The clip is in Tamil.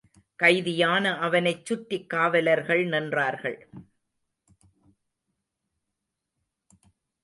கைதியான அவனைச் சுற்றிக் காவலர்கள் நின்றார்கள்.